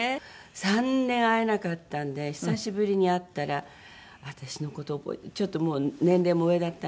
３年会えなかったんで久しぶりに会ったら私の事覚えてちょっともう年齢も上だったので。